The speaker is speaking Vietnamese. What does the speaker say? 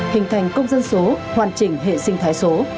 hình thành công dân số hoàn chỉnh hệ sinh thái số